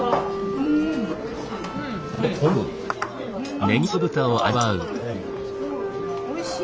うんおいしい！